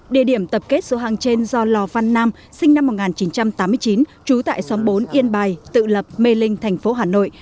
địa điểm tập kết số hàng trên do lò văn nam sinh năm một nghìn chín trăm tám mươi chín trú tại xóm bốn yên bài tự lập mê linh thành phố hà nội